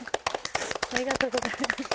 ありがとうございます。